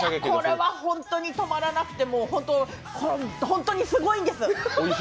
これはホントに止まらなくて、ホントにすごいんです。